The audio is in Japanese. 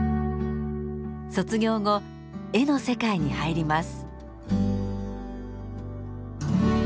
卒業後絵の世界に入ります。